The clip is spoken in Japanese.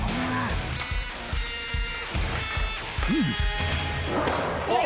［ついに］